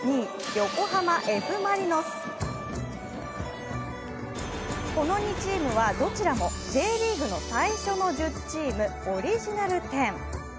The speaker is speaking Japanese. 横浜Ｆ・マリノスこの２チームは、どちらもＪリーグの最初の１０チーム、オリジナル１０。